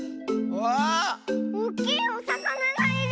おっきいおさかながいる！